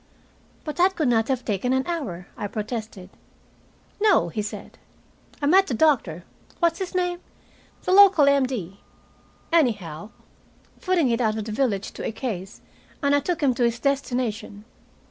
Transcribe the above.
"But that could not have taken an hour," I protested. "No," he said. "I met the doctor what's his name? the local M.D. anyhow footing it out of the village to a case, and I took him to his destination.